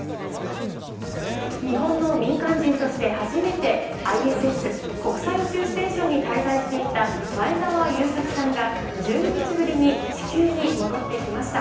日本の民間人として初めてＩＳＳ・国際宇宙ステーションに滞在していた前澤友作さんが１２日ぶりに地球に戻ってきました。